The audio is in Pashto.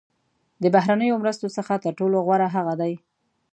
د بهرنیو مرستو څخه تر ټولو غوره هغه دي.